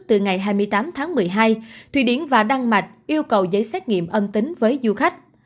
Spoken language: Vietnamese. từ ngày hai mươi tám tháng một mươi hai thụy điển và đan mạch yêu cầu giấy xét nghiệm ân tính với du khách